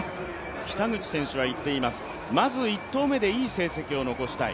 北口選手は言っています、まず１投目でいい成績を残したい。